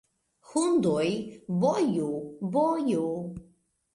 Hundoj, boju, boju!